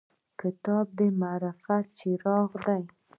کتاب د معرفت څراغ دی.